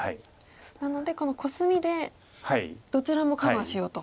なのでこのコスミでどちらもカバーしようと。